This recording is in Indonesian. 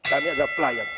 kami adalah pelayan